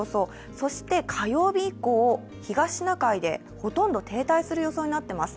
そして火曜日以降、東シナ海でほとんど停滞する予想になっています。